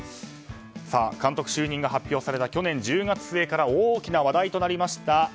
監督就任が発表された去年１０月末から大きな話題となりました